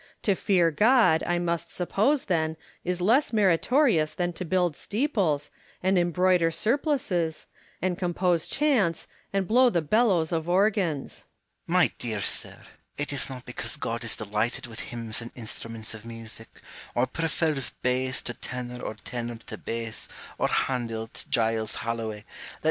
To fear God, I must suppose, then, is less meritorious than to build steeples, and embroider suplices, and compose chants, and blow the bellows of organs. Hume. My dear sir, it is not because God is delighted with hymns and instruments of music, or pcrfers bass to tenor or tenor to bass, or Handel to Giles Halloway, that 236 IMA GINAR V CON VERSA TIONS.